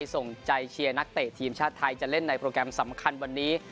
ส่งใจเชียร์นักเตะทีมชาติไทยจะเล่นในโปรแกรมสำคัญวันนี้